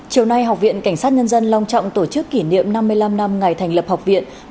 chiều nay học viện cảnh sát nhân dân long trọng tổ chức kỷ niệm năm mươi năm năm ngày thành lập học viện